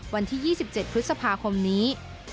วันที่๒๗พฤษภาคมนี้